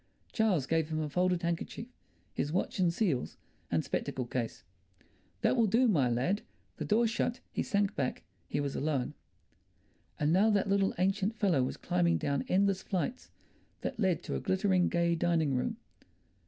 Charles gave him a folded handkerchief, his watch and seals, and spectacle case. "That will do, my lad." The door shut, he sank back, he was alone.... And now that little ancient fellow was climbing down endless flights that led to a glittering, gay dining room.